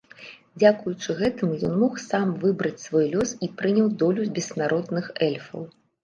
Дзякуючы гэтаму ён мог сам выбраць свой лёс і прыняў долю бессмяротных эльфаў.